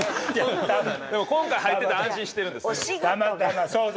でも今回入ってて安心してるんです。